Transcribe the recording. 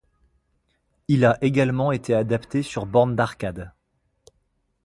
Il a également été adapté sur borne d'arcade.